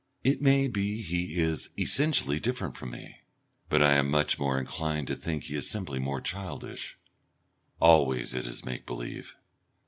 It may be he is essentially different from me, but I am much more inclined to think he is simply more childish. Always it is make believe.